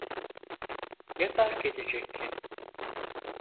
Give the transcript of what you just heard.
Ne fark edecek ki?